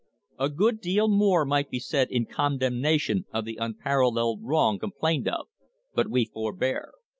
"A good deal more might be said in condemnation of the unparalleled wrong com plained of, but we forbear.